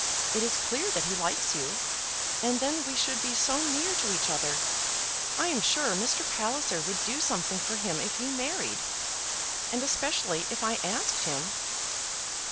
It is clear that he likes you; and then we should be so near to each other. I am sure Mr. Palliser would do something for him if he married, and especially if I asked him."